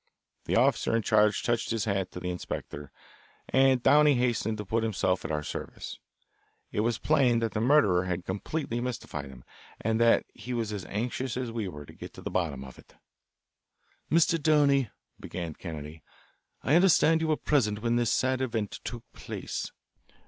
The officer in charge touched his hat to the inspector, and Downey hastened to put himself at our service. It was plain that the murder had completely mystified him, and that he was as anxious as we were to get at the bottom of it. "Mr. Downey," began Kennedy, "I understand you were present when this sad event took place."